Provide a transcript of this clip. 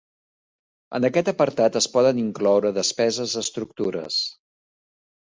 En aquest apartat es poden incloure despeses d'estructures.